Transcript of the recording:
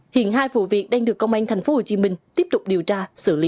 hiện hai vụ việc đang được công an tp hcm tiếp tục điều tra xử lý